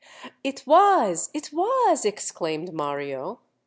"It was—it was!" exclaimed Mario.